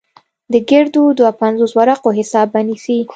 د ګردو دوه پينځوس ورقو حساب به نيسې.